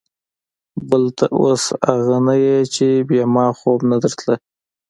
بل ته اوس اغه نه يې چې بې ما خوب نه درته.